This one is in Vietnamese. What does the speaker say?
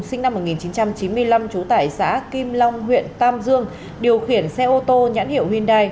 sinh năm một nghìn chín trăm chín mươi năm trú tại xã kim long huyện tam dương điều khiển xe ô tô nhãn hiệu hyundai